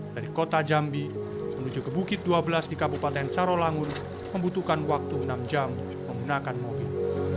dari kota jambi menuju ke bukit dua belas di kabupaten sarolangun membutuhkan waktu enam jam menggunakan mobil